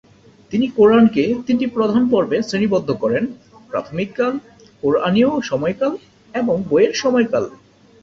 তিনি কুরআনকে তিনটি প্রধান পর্বে শ্রেণীবদ্ধ করেন: প্রাথমিক কাল, কুরআনীয় সময়কাল এবং বইয়ের সময়কাল।